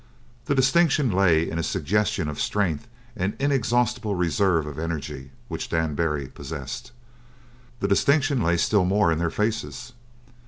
The distinction lay in a suggestion of strength and inexhaustible reserve of energy which Dan Barry possessed. The distinction lay still more in their faces.